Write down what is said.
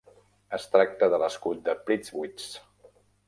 Es tracta de l'escut de Prittwitz.